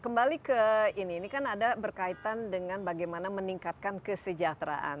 kembali ke ini ini kan ada berkaitan dengan bagaimana meningkatkan kesejahteraan